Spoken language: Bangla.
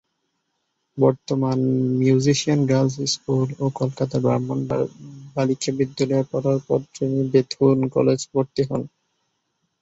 বর্ধমানের মিউনিসিপাল গার্লস স্কুল ও কলকাতার ব্রাহ্ম বালিকা বিদ্যালয়ে পড়ার পর তিনি বেথুন কলেজে ভর্তি হন।